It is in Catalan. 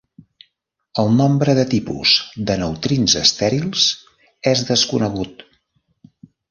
El nombre de tipus de neutrins estèrils és desconegut.